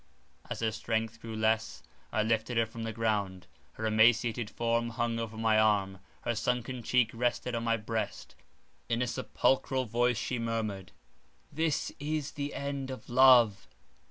As her strength grew less, I lifted her from the ground; her emaciated form hung over my arm, her sunken cheek rested on my breast; in a sepulchral voice she murmured:—"This is the end of love!